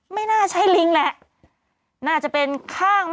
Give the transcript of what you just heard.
ไม่น่าใช่ลิงและ